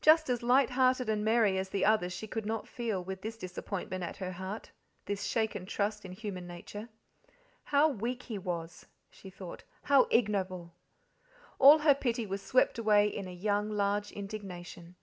Just as light hearted and merry as the others she could not feel, with this disappointment at her heart, this shaken trust in human nature. How weak he was, she thought, how ignoble! All her pity was swept away in a young, large indignation.